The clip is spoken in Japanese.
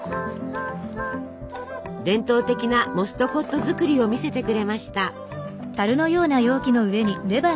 伝統的なモストコット作りを見せてくれました。